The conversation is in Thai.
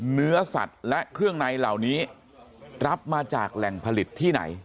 เนื้อสัตว์และเครื่องในเหล่านี้รับมาจากแหล่งผลิตที่ไหน